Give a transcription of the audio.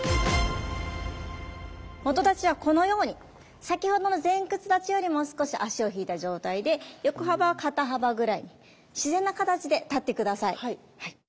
基立ちはこのように先ほどの前屈立ちよりも少し足を引いた状態で横幅は肩幅ぐらいに自然な形で立って下さい。